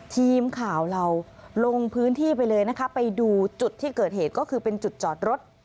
ทีมข่าวเราลงพื้นที่ไปเลยนะคะไปดูจุดที่เกิดเหตุก็คือเป็นจุดจอดรถ